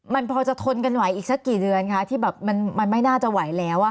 มันพอจะทนกันไหวอีกสักกี่เดือนคะที่แบบมันไม่น่าจะไหวแล้ว